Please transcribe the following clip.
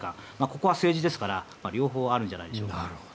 ここは政治ですから両方あるんじゃないでしょうか。